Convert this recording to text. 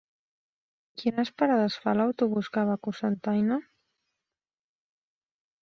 Quines parades fa l'autobús que va a Cocentaina?